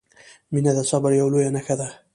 • مینه د صبر یوه لویه نښه ده.